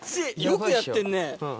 よくやってんね！